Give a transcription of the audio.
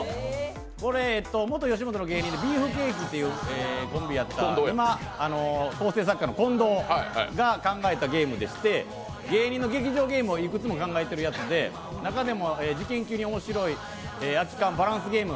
これ、元吉本の芸人の今、構成作家の近藤が考えたゲームでして、芸人の劇場ゲームをいくつも考えているやつで中でも事件級におもしろい「空き缶バランスゲーム」。